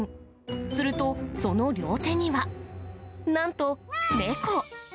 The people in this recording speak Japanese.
すると、その両手には、なんと、猫。